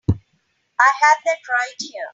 I had that right here.